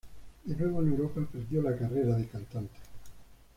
De nuevo en Europa, emprendió la carrera de cantante.